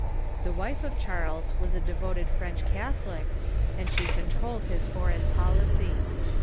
The wife of Charles was a devoted French Catholic, and she controlled his foreign policy.